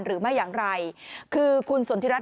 หรือไม่อย่างไรคือคุณสนทิรัฐ